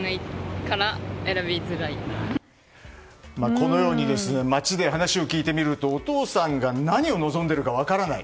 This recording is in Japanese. このように街で話を聞いてみるとお父さんが何を望んでいるか分からない